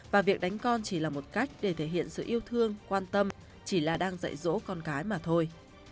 và việc đánh con chỉ là một cách để thể hiện sự yêu thương quan tâm chỉ là đang dạy dỗ con cái mà thôi